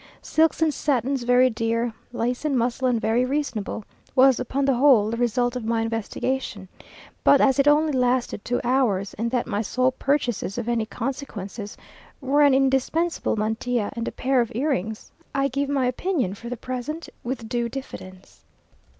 Silks and satins very dear lace and muslin very reasonable, was, upon the whole, the result of my investigation; but as it only lasted two hours, and that my sole purchases of any consequence, were an indispensable mantilla, and a pair of earrings, I give my opinion for the present with due diffidence.